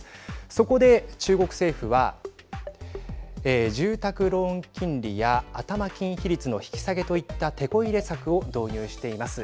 そこで中国政府は住宅ローン金利や頭金比率の引き下げといったてこ入れ策を導入しています。